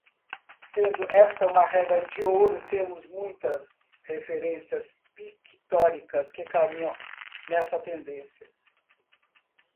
Sendo esta uma regra de ouro, temos muitas referências pictóricas que caminham nessa tendência.